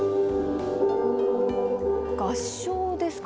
合唱ですか。